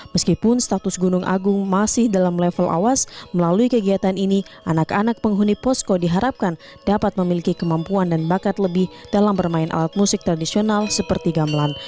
meskipun status gunung agung masih dalam level awas melalui kegiatan ini anak anak penghuni posko diharapkan dapat memiliki kemampuan dan bakat lebih dalam bermain alat musik tradisional seperti gamelan